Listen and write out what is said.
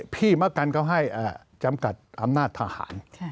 พี่มะกันก็ให้จำกัดอำนาจทหาร